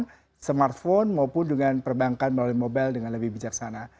dengan smartphone maupun dengan perbankan melalui mobile dengan lebih bijaksana